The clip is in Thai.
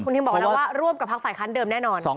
คุณทิมบอกว่าร่วมกับฝ่ายค้านเดิมแน่นอน